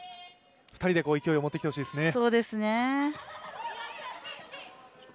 ２人で勢いを持ってきてほしいですね。